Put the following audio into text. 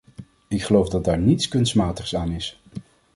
Ik geloof dat daar niets kunstmatigs aan is.